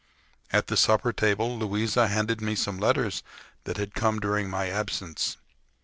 At the supper table Louisa handed me some letters that had come during my absence.